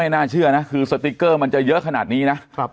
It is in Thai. น่าเชื่อนะคือสติ๊กเกอร์มันจะเยอะขนาดนี้นะ